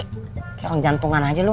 kayak orang jantungan aja loh